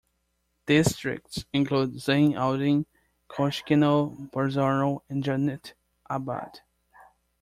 Districts include Zeyn Aldin, Koshkeno, Bazarno, and Janat abad.